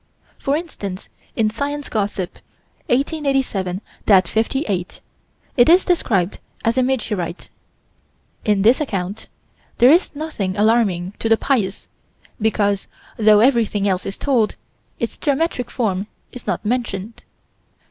For instance, in Science Gossip, 1887 58, it is described as a meteorite: in this account there is nothing alarming to the pious, because, though everything else is told, its geometric form is not mentioned.